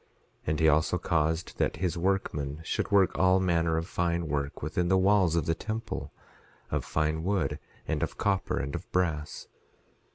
11:10 And he also caused that his workmen should work all manner of fine work within the walls of the temple, of fine wood, and of copper, and of brass.